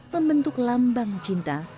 membentuk lambang cinta